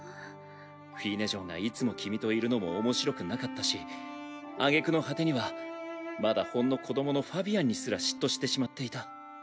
フィーネ嬢がいつも君といるのも面白くなかったし挙句の果てにはまだほんの子どものファビアンにすら嫉妬してしまっていた。